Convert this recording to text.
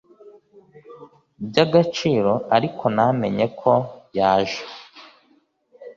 bya agaciro ariko ntamenye ko yaje